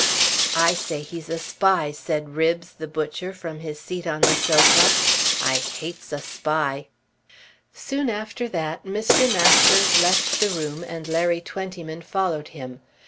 "I say he's a spy," said Ribbs the butcher from his seat on the sofa. "I hates a spy." Soon after that Mr. Masters left the room and Larry Twentyman followed him.